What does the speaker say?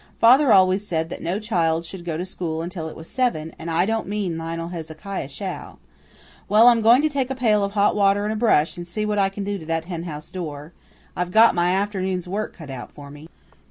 Father always said that no child should go to school until it was seven, and I don't mean Lionel Hezekiah shall. Well, I'm going to take a pail of hot water and a brush, and see what I can do to that henhouse door. I've got my afternoon's work cut out for me."